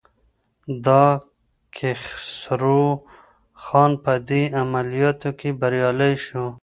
ایا کیخسرو خان په دې عملیاتو کې بریالی شو؟